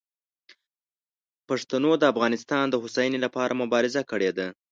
پښتنو د افغانستان د هوساینې لپاره مبارزه کړې ده.